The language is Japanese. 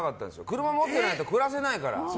車持ってない人、暮らせないから。